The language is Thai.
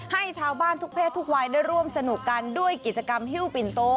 ให้ชาวบ้านทุกเพศทุกวัยได้ร่วมสนุกกันด้วยกิจกรรมฮิ้วปินโต